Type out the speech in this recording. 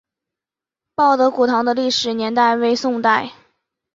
报德古堂的历史年代为宋代。